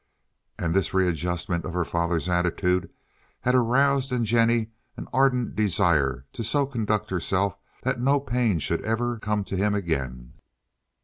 And this readjustment of her father's attitude had aroused in Jennie an ardent desire to so conduct herself that no pain should ever come to him again.